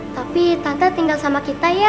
tapi tante tinggal sama kita ya